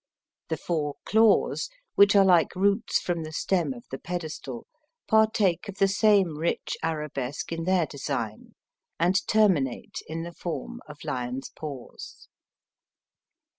The four claws, which are like roots from the stem of the pedestal, partake of the same rich arabesque in their design, and terminate in the form of lion's paws.